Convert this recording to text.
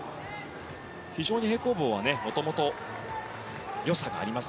非常に平行棒はもともと良さがあります。